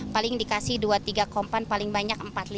paling dikasih dua tiga kompan paling banyak empat lima